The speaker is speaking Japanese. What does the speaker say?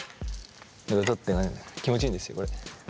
これ取ってね気持ちいいんですよこれ。